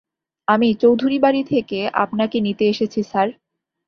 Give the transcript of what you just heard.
আমি চৌধুরীবাড়ি থেকে আপনাকে নিতে এসেছি স্যার।